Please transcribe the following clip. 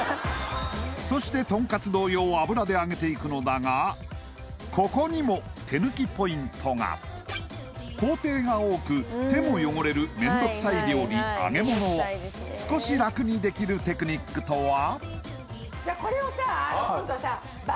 そしてトンカツ同様油で揚げていくのだがここにも手抜きポイントが工程が多く手も汚れる面倒くさい料理揚げ物を少し楽にできるテクニックとは？